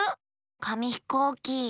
かみひこうき。